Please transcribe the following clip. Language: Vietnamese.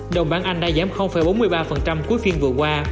đồng bảng anh đã giảm bốn mươi ba cuối phiên vừa qua